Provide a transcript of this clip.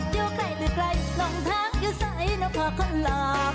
อยู่ใกล้ล่องทางอยู่ใสน้องพ่อคนหลอก